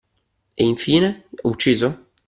E, in fine, ucciso?